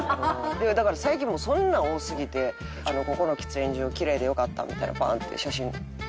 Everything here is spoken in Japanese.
だから最近もうそんなん多すぎて「ここの喫煙所キレイで良かった」みたいなバーンって写真載せたらもう。